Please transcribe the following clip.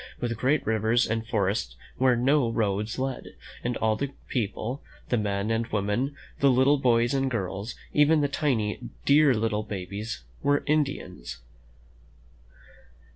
«jiAt u ^CTE ^■■■^^ with great rivers, and forests where no roads led, and all the people — the men and women, the little boys and girls, even the tiny, dear little babies — were Indians.